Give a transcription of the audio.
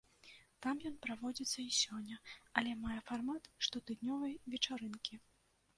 Там ён праводзіцца і сёння, але мае фармат штотыднёвай вечарынкі.